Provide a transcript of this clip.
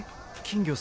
金魚